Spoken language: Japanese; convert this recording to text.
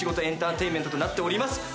エンターテインメントとなっております。